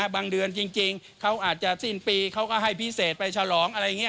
บางเดือนจริงเขาอาจจะสิ้นปีเขาก็ให้พิเศษไปฉลองอะไรอย่างนี้